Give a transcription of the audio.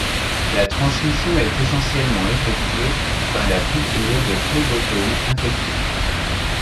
La transmission est essentiellement effectuée par la piqûre de phlébotomes infectés.